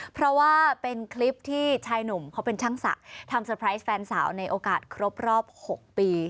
เพราะว่าเป็นคลิปที่ชายหนุ่มเขาเป็นช่างศักดิ์ทำเตอร์ไพรส์แฟนสาวในโอกาสครบรอบ๖ปี